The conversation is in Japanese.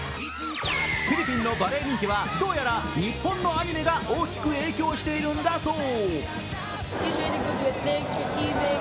フィリピンのバレー人気は日本のアニメが大きく影響しているんだそう。